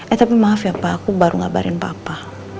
eh tapi maaf ya pa aku baru ngabarin papa